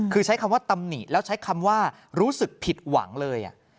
คือใช้คำว่าตำหนิแล้วใช้คำว่ารู้สึกผิดหวังเลย